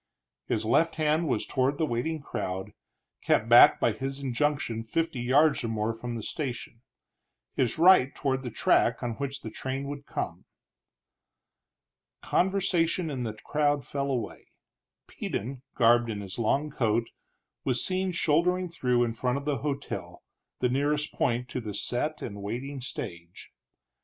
His left hand was toward the waiting crowd, kept back by his injunction fifty yards or more from the station; his right toward the track on which the train would come. Conversation in the crowd fell away. Peden, garbed in his long coat, was seen shouldering through in front of the hotel, the nearest point to the set and waiting stage.